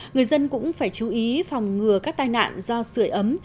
người dân cũng phải chú ý phòng ngừa các tai nạn do sửa ấm